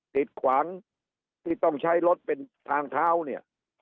ติดขวางที่ต้องใช้รถเป็นทางเท้าเนี่ย